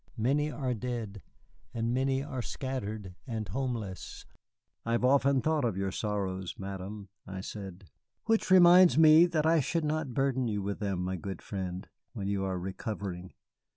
Many are dead, and many are scattered and homeless." "I have often thought of your sorrows, Madame," I said. "Which reminds me that I should not burden you with them, my good friend, when you are recovering.